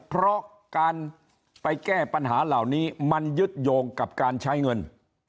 เพราะการไปแก้ปัญหาเหล่านี้มันยึดโยงกับการใช้เงิน